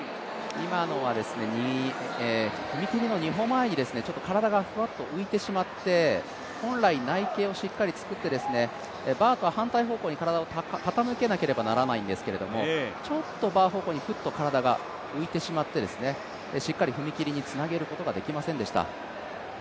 今のは踏み切りの２歩前に体がふわっと浮いてしまって本来内傾をしっかり作って、バーと反対方向に体を傾けなければならないんですけどちょっとバー方向にふっと体が浮いてしまって、しっかり踏み切りにつなげることができませんでした。